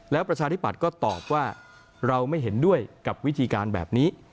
แล้วประชาธิปัตย์ก็ตอบว่าเราไม่เห็นด้วยกับวิธีการแบบนี้